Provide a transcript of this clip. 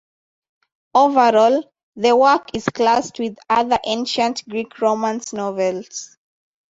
Overall, the work is classed with other ancient Greek romance novels.